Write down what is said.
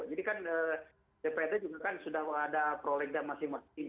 jadi kan dprd juga sudah ada projeknya masing masing